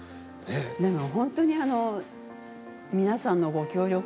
でも、本当に皆さんのご協力ですね。